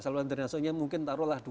saluran drainasenya mungkin taruhlah